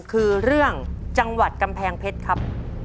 คือเรื่องจังหวัดกำแพงเพชรครับ